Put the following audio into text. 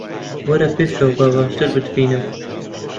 وەرە پێشەوە، با باشتر بتبینم